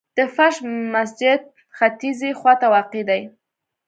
د فرش مسجد ختیځي خواته واقع دی.